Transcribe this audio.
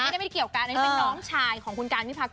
ไม่ได้เป็นเกี่ยวกันเนี่ยเป็นน้องชายของคุณการณ์มิพากร